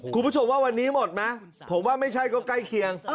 คุณผู้ชมว่าวันนี้หมดไหมผมว่าไม่ใช่ก็ใกล้เคียง